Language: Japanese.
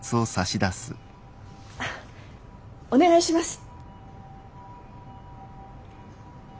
お願いします。